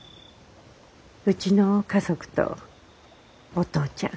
うちの家族とお父ちゃん。